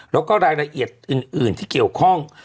แล้วก็รายละเอียดอื่นที่เกี่ยวข้อง